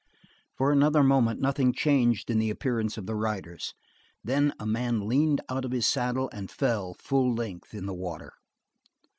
For another moment nothing changed in the appearance of the riders, then a man leaned out of his saddle and fell full length in the water.